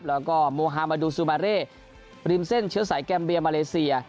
แล้วก็โมฮามาดูซูมาเร่ริมเส้นเชื้อสายแกมเบียมาเลเซีย